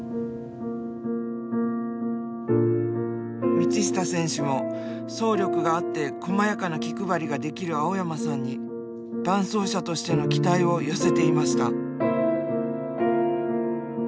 道下選手も走力があってこまやかな気配りができる青山さんに伴走者としての期待を寄せていました。